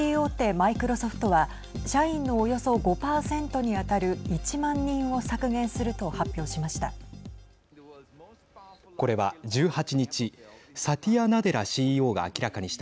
マイクロソフトは社員のおよそ５％に当たる１万人を削減すると発表しました。